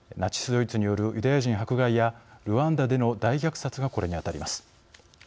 ・ドイツによるユダヤ人迫害やルワンダでの大虐殺がこれにあたります。